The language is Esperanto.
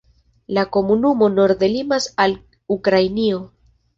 La komunumo norde limas al Ukrainio.